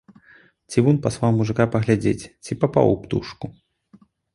Цівун паслаў мужыка паглядзець, ці папаў у птушку.